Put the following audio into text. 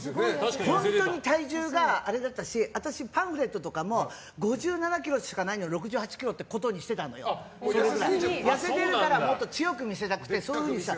本当に体重があれだったし私、パンフレットとかも５７ｋｇしかないのに６８ｋｇってことにしてたの。痩せてるからもっと強く見せたくてそういうふうにした。